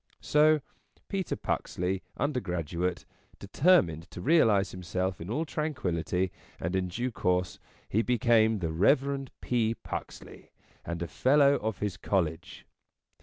So Peter Puxley, undergraduate, determined to realize himself in all tranquillity, and in due course he became the Rev. P. Puxley, and a fellow of his College.